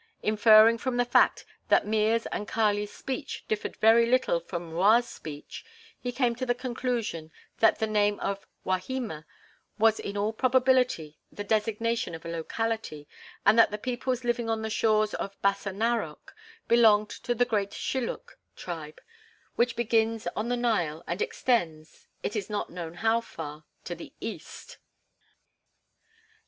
Inferring from the fact that Mea's and Kali's speech differed very little from M'Rua's speech, he came to the conclusion that the name of "Wahima" was in all probability the designation of a locality, and that the peoples living on the shores of "Bassa Narok" belonged to the great Shilluk tribe, which begins on the Nile and extends, it is not known how far, to the east.